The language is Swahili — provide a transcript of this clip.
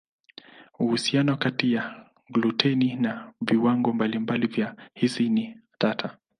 Uhusiano kati ya gluteni na viwango mbalimbali vya hisi ni tata.